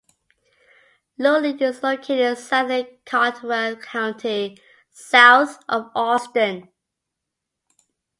Luling is located in southern Caldwell County, south of Austin.